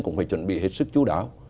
cũng phải chuẩn bị hết sức chú đáo